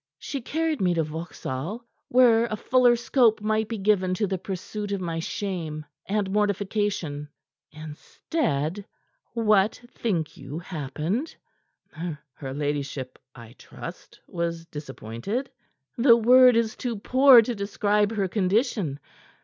She carried me to Vauxhall, where a fuller scope might be given to the pursuit of my shame and mortification. Instead, what think you happened?" "Her ladyship, I trust, was disappointed." "The word is too poor to describe her condition.